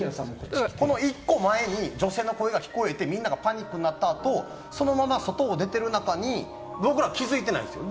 この１個前に女性の声が聞こえて、みんながパニックになった後、そのまま外に出てる中で、僕ら気づいてないんですよ。